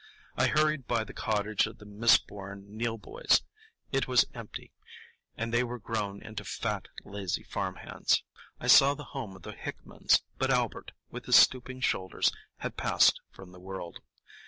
I hurried by the cottage of the misborn Neill boys. It was empty, and they were grown into fat, lazy farm hands. I saw the home of the Hickmans, but Albert, with his stooping shoulders, had passed from the world.